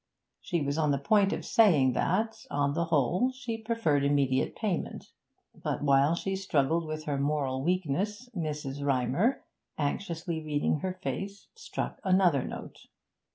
She was on the point of saying that, on the whole, she preferred immediate payment; but while she struggled with her moral weakness Mrs. Rymer, anxiously reading her face, struck another note.